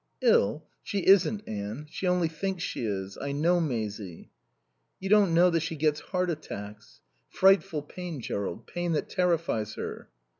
"Ill? She isn't, Anne. She only thinks she is. I know Maisie." "You don't know that she gets heart attacks. Frightful pain, Jerrold, pain that terrifies her."